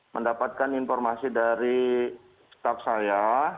mendapatkan informasi dari staff saya